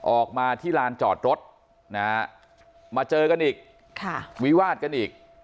ออกมาที่ลานจอดรถนะฮะมาเจอกันอีกวิวาดกันอีก